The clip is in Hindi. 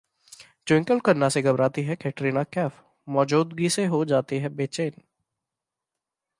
ट्विंकल खन्ना से घबराती हैं कटरीना कैफ, मौजूदगी से हो जाती हैं बेचैन